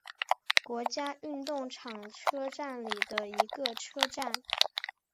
国家运动场车站里的一个车站。